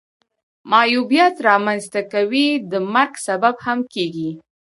معیوبیت را منځ ته کوي د مرګ سبب هم کیږي.